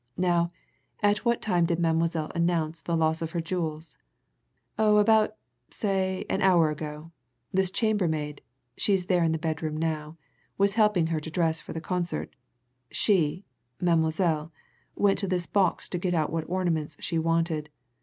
Now, at what time did Mademoiselle announce the loss of her jewels?" "Oh, about say, an hour ago. This chambermaid she's there in the bedroom now was helping her to dress for the concert. She Mademoiselle went to this box to get out what ornaments she wanted.